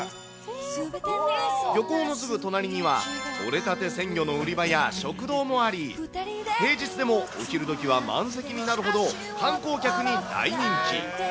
漁港のすぐ隣には取れたて鮮魚の売り場や食堂もあり、平日でもお昼どきは満席になるほど、観光客に大人気。